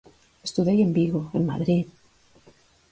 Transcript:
Estudei en Vigo, en Madrid...